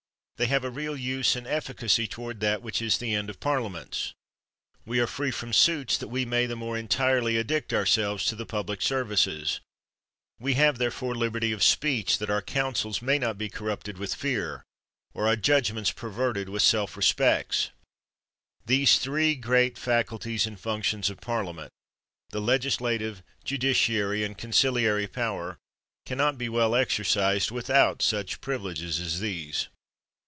They have a real use and efficacy toward that which is the end of parliaments. We are free from suits that we may the more entirely addict ourselves to the public services; we have, therefore, liberty of 52 PYM speech, that our counsels may not be corrupted with fear, or our judgments perverted with self respects. Those three great faculties and func tions of Parliament, the legislative, judiciary, and conciliary power, can not be well exercised without such privileges as these.